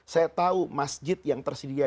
saya tahu masjid yang tersedia